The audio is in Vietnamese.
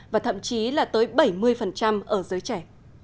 và thậm chí là tới bảy mươi ở giới trẻ